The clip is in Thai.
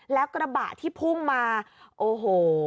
แล้วกระบะที่พุ่งมาโอ้โห